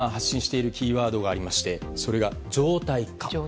中国側が今発信しているキーワードがありましてそれが常態化。